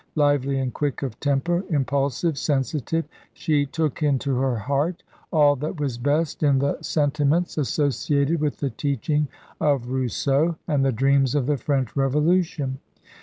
Lively and quick of temper, impulsive, sensitive, she took into her heart all that was best in the sentiments associated with the teaching of Rousseau and the dreams of the French Revolution.